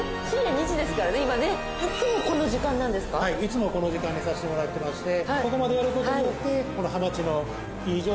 いつもこの時間にさせてもらってまして。